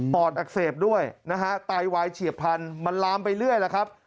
อดอักเสบด้วยนะฮะไตวายเฉียบพันธุ์มันลามไปเรื่อยแล้วครับ